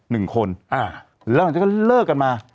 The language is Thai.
แล้วหลังจากนั้นก็เลิกกันมา